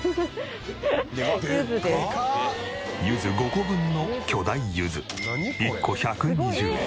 柚子５個分の巨大柚子１個１２０円。